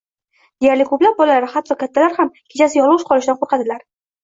Deyarli ko‘plab bolalar, hatto kattalar ham kechasi yolg‘iz qolishdan qo‘rqadilar.